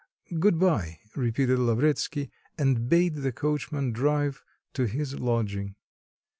"Good bye," repeated Lavretsky, and bade the coachman drive to his lodging.